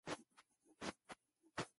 El otro sencillo de ese álbum fue "The".